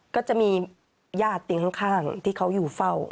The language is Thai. ก็จะมีญาติเตียงข้างที่เขาอยู่เฝ้า